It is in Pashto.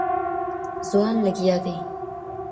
• ځوان لگيا دی.